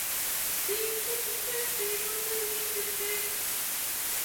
They enter the tent by an opening in the back.